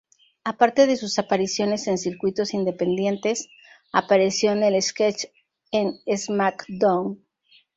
Aparte de sus apariciones en circuitos independientes, apareció en un sketch en SmackDown!